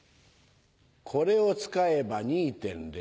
これを使えば２．０。